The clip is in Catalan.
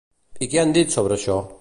I què han dit sobre això?